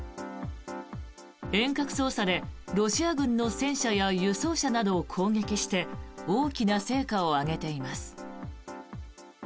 遠隔操作でロシア軍の戦車や輸送車などを攻撃して大きな成果を上げています。